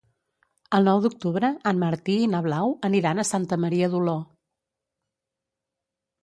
El nou d'octubre en Martí i na Blau aniran a Santa Maria d'Oló.